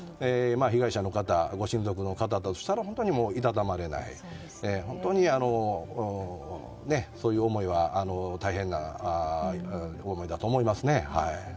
被害者の方ご親族の方からしたら本当にもういたたまれない、そういう思いは大変な思いだと思いますね。